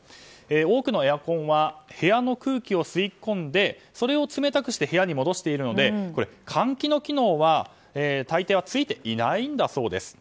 多くのエアコンは部屋の空気を吸い込んでそれを冷たくして部屋に戻しているので換気の機能は、大抵はついていないんだそうです。